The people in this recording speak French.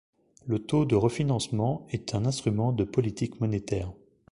Le taux de refinancement est un instrument de politique monétaire.